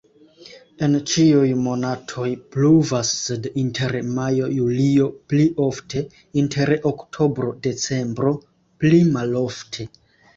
En ĉiuj monatoj pluvas, sed inter majo-julio pli ofte, inter oktobro-decembro pli malofte.